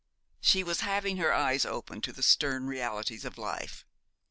She was having her eyes opened to the stern realities of life.